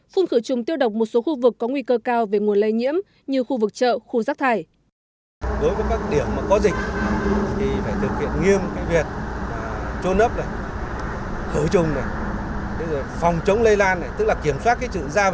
phun khử trùng tiêu độc một số khu vực có nguy cơ cao về nguồn lây nhiễm như khu vực chợ khu rác thải